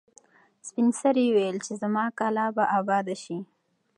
سپین سرې وویل چې زما کلا به اباده شي.